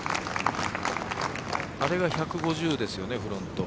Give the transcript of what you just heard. あれが１５０ですよねフロント。